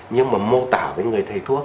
nhưng mà mô tả với người thầy thuốc